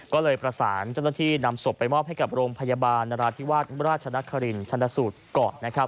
ก็เลยประสานเจ้าหน้าที่นำศพไปมอบให้กับโรงพยาบาลนราธิวาสราชนครินชันสูตรก่อนนะครับ